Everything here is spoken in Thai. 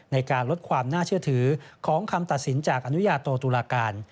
ในการลดความน่าเชื่อถือของคำตัดสินจากอนุญาโตตุลาการ